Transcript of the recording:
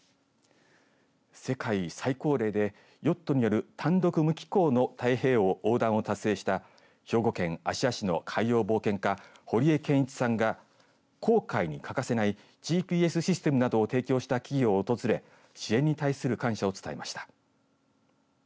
世界最高齢でヨットによる単独無寄港の太平洋横断を達成した兵庫県芦屋市の海洋冒険家、堀江謙一さんが航海に欠かせないＧＰＳシステムなどを提供した企業を訪れ支援すに対する感謝を伝えました。